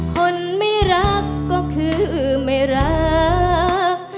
คนไม่รักก็คือไม่รัก